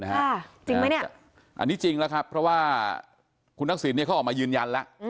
อันนี้จริงแล้วครับเพราะว่าคุณทักษิณเนี่ยเขาออกมายืนยันแล้ว